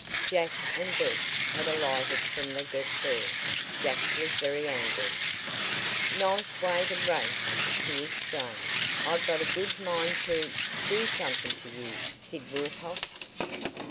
Jack and Bess had alighted from the Get There. Jack was very angry. "Nice way to race!" he exclaimed. "I've got a good mind to do something to you, Sid Wilcox!"